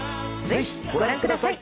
ぜひご覧ください。